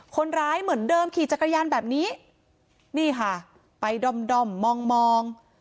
คนร้ายเหมือนเดิมขี่จักรยานแบบนี้นี่ค่ะไปด้อมด่อมมองมอง